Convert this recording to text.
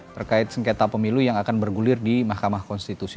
terkait sengketa pemilu yang akan bergulir di mahkamah konstitusi